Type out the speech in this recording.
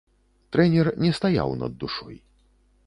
Трэнер не стаяў над душой.